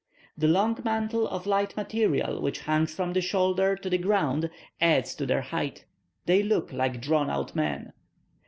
The long mantle of light material which hangs from the shoulder to the ground adds to their height. They look like drawn out men.